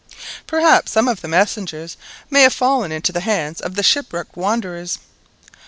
"Perhaps some of the messengers may have fallen into the hands of the shipwrecked wanderers."